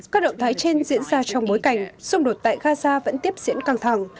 các động thái trên diễn ra trong bối cảnh xung đột tại gaza vẫn tiếp diễn căng thẳng